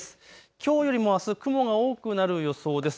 きょうよりもあす雲が多くなる予想です。